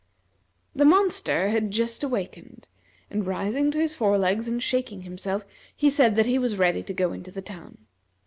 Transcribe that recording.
The monster had just awakened, and rising to his fore legs and shaking himself, he said that he was ready to go into the town.